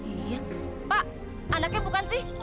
iya pak anaknya bukan sih